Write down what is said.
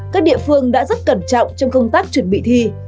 các địa phương đã rất cẩn trọng trong công tác chuẩn bị thi